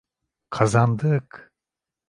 Kazandık!